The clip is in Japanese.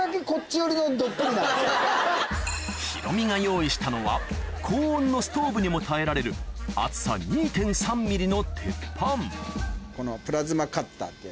ヒロミが用意したのは高温のストーブにも耐えられるこの。